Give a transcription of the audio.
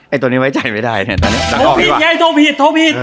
ไอ้ตัวนี้ไว้จ่ายไม่ได้เนี่ยโทรผิดไงโทรผิดโทรผิด